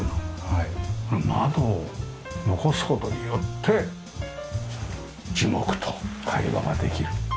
窓を残す事によって樹木と会話ができる。